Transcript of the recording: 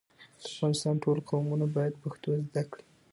د افغانستان ټول قومونه بايد پښتو زده کړي.